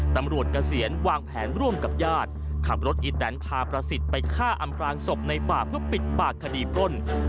เกษียณวางแผนร่วมกับญาติขับรถอีแตนพาประสิทธิ์ไปฆ่าอำพลางศพในป่าเพื่อปิดปากคดีปล้น